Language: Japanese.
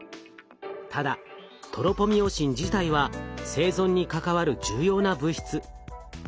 ただトロポミオシン自体は生存に関わる重要な物質。